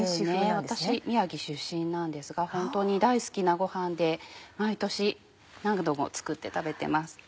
私宮城出身なんですが本当に大好きなご飯で毎年何度も作って食べてます。